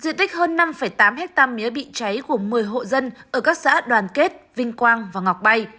diện tích hơn năm tám hectare mía bị cháy của một mươi hộ dân ở các xã đoàn kết vinh quang và ngọc bay